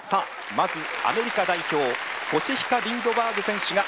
まずアメリカ代表コシヒカ・リンドバーグ選手が入ってきました。